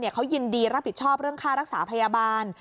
เขายินดีรับผิดชอบเรื่องค่ารักษาพยาบาล